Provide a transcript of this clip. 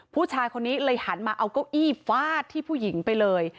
ผู้ชายคนนี้เลยหันมาเอาเก้าอี้ฟาดที่ผู้หญิงไปเลย